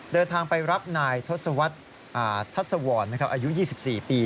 เดินทางไปรับนายทศวรรทัศวรอายุ๒๔ปี